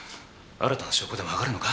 新たな証拠でも挙がるのか？